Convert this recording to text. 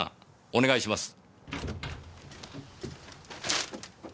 お願いします。